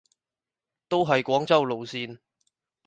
都係廣州路線